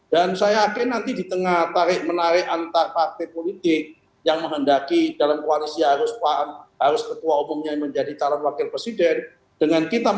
dan saya yakin nanti di tengah tarik menarik antar partai politik yang menghendaki dalam koalisi harus ketua umumnya menjadi calon presiden